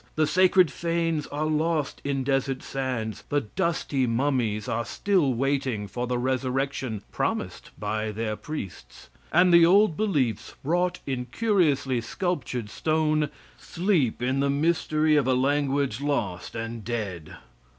The sacred fanes are lost in desert sands; the dusty mummies are still waiting for the resurrection promised by their priests, and the old beliefs, wrought in curiously sculptured stone, sleep in the mystery of a language lost and dead.